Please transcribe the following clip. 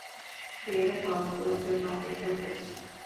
বের হ, তোর জন্য অপেক্ষা করছি।